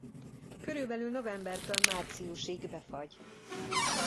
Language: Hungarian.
Körülbelül novembertől márciusig befagy.